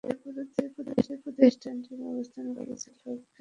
একই অপরাধে প্রতিষ্ঠানটির ব্যবস্থাপনা পরিচালককে পাঁচ লাখ টাকা জরিমানা করা হয়।